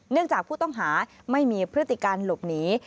จากผู้ต้องหาไม่มีพฤติการหลบหนี